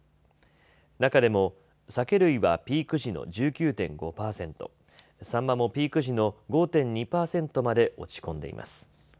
中でもサケ類はピーク時の１９．５％、サンマもピーク時の５．２％まで落ち込んでいます。